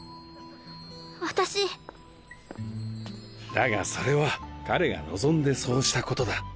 だがそれは彼が望んでそうしたことだ。